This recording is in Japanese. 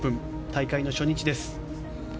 大会の初日です。